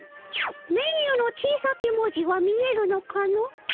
メニューの小さき文字は見えるのかの？